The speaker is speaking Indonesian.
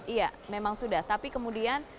iya memang sudah tapi kemudian